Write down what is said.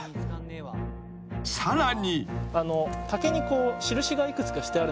［さらに］